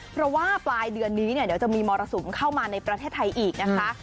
เพราะว่าปลายเดือนนี้เดี๋ยวจะมีมรสุมเข้ามาในประเทศไทยอีกนะคะ